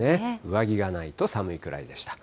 上着がないと寒いくらいでした。